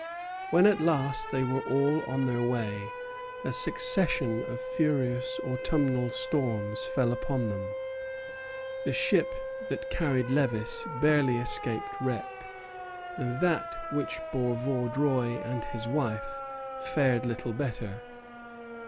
When at last they were all on their way, a succession of furious autumnal storms fell upon them. The ship that carried Lévis barely escaped wreck, and that which bore Vaudreuil and his wife fared little better.